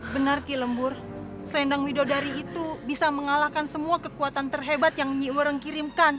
benar kilembur selendang widodari itu bisa mengalahkan semua kekuatan terhebat yang nyi wurang kirimkan